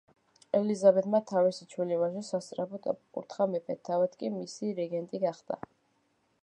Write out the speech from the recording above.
ელიზაბეთმა თავისი ჩვილი ვაჟი სასწრაფოდ აკურთხა მეფედ, თავად კი მისი რეგენტი გახდა.